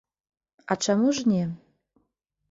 А чаму ж не.